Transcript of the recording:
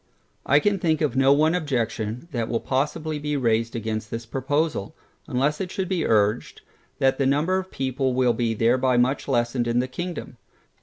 I can think of no one objection, that will possibly be raised against this proposal, unless it should be urged, that the number of people will be thereby much lessened in the kingdom.